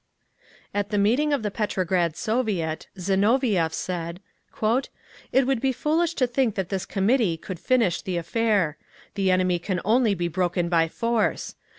At the meeting of the Petrograd Soviet, Zinoviev said, "It would be foolish to think that this committee could finish affair. The enemy can only be broken by force.